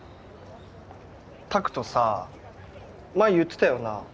拓人さ前言ってたよな。